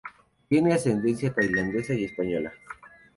Tiene ascendencia tailandesa y española.